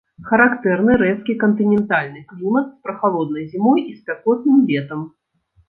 Характэрны рэзкі кантынентальны клімат з прахалоднай зімой і спякотным летам.